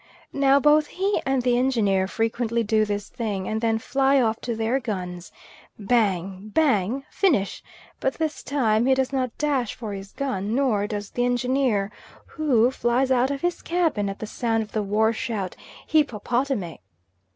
Now both he and the Engineer frequently do this thing, and then fly off to their guns bang, bang, finish; but this time he does not dash for his gun, nor does the Engineer, who flies out of his cabin at the sound of the war shout "Hippopotame."